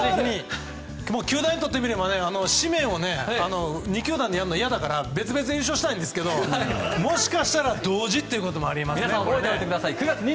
球団にとってみれば紙面を２球団にやるのは嫌だから別々に優勝したいんですけどもしかしたら同時っていうこともあります。